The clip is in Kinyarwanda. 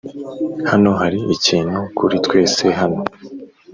hano hari ikintu kuri twese hano,